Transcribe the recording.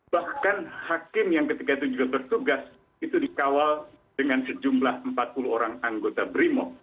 bahkan hakim yang ketika itu juga bertugas itu dikawal dengan sejumlah empat puluh orang anggota brimo